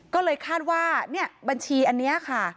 ก็เลยคาดว่าเนี่ยบัญชีอันนี้ค่ะ